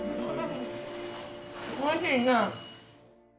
おいしいね。